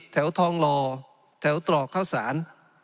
แถวทองรอแถวตรอกเข้าสาร